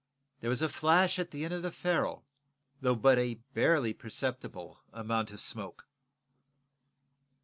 There was a flash at the end of the ferrule, though but a barely perceptible amount of smoke.